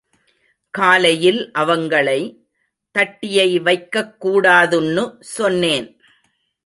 காலையில் அவங்களை... தட்டியை வைக்கக் கூடாதுன்னு சொன்னேன்.